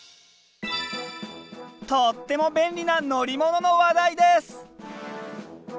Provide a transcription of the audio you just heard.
とっても便利な乗り物の話題です！